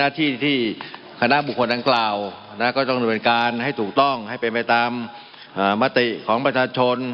ที่คณะบุคคลดังกล่าวก็ต้องดำเนินการให้ถูกต้องให้เป็นไปตามมติของประชาชน